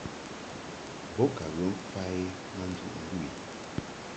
Bo ka ghə mfa i ma njuʼ ndu i.